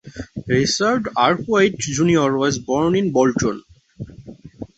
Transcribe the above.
Richard Arkwright junior was born in Bolton.